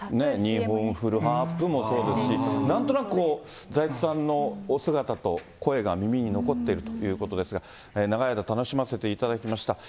日本フルハップもそうですし、なんとなく、財津さんのお姿と声が耳に残っているということですが、長い間楽しませていただきました。